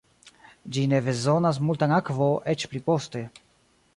Ĝi ne bezonas multan akvo eĉ pli poste.